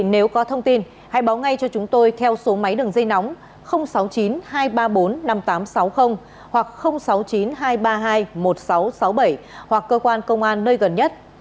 nếu có thông tin hãy báo ngay cho chúng tôi theo số máy đường dây nóng sáu mươi chín hai trăm ba mươi bốn năm nghìn tám trăm sáu mươi hoặc sáu mươi chín hai trăm ba mươi hai một nghìn sáu trăm sáu mươi bảy hoặc cơ quan công an nơi gần nhất